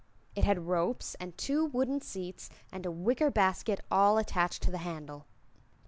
It had ropes and two wooden seats and a wicker basket all attached to the handle.